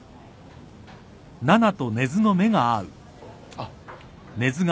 あっ。